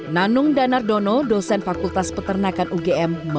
nanung danardono dosen fakultas peternakan ugm